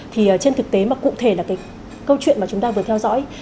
thì trên thực tế mà cụ thể là cái câu chuyện mà chúng ta vừa theo dõi